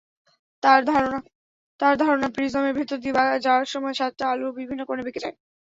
তাঁর ধারণা প্রিজমের ভেতর দিয়ে যাওয়ার সময় সাতটা আলো বিভিন্ন কোণে বেঁকে যায়।